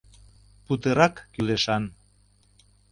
«ПУТЫРАК КӰЛЕШАН»